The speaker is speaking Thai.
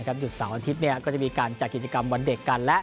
จุดเสาร์อาทิตย์จะมีการกิจกรรมวันเด็กกัน